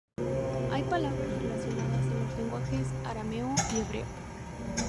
Hay palabras relacionadas en los lenguajes arameo y hebreo.